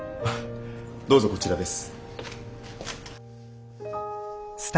どうぞこちらです。